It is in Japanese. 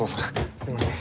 すいません。